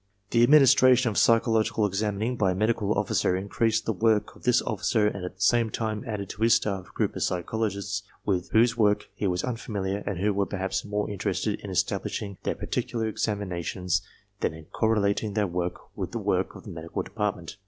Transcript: The administration of psychological examining by a medical officer increased the work of this officer and at the same time added to his staff a group of psychologists with whose work he was unfamiliar and who were perhaps more interested in establishing their particular examinations than in correlating their work with the work of the Medical Depart ment.